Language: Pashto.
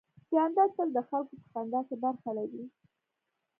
جانداد تل د خلکو په خندا کې برخه لري.